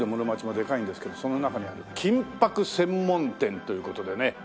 町もでかいんですけどその中にある金箔専門店という事でね。